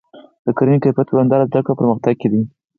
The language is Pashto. د کرنې کیفیت په دوامداره زده کړه او پرمختګ کې دی.